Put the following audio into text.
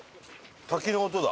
滝の音だ。